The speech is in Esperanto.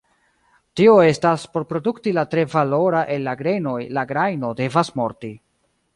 Tio estas, por produkti la tre valora el la grenoj, la grajno devas morti.